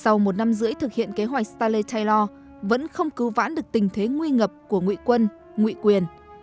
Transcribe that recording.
sau một năm rưỡi thực hiện kế hoạch stanley tayor vẫn không cứu vãn được tình thế nguy ngập của ngụy quân ngụy quyền